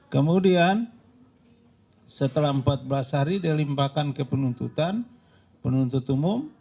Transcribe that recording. kemudian setelah empat belas hari dilimpahkan ke penuntutan penuntut umum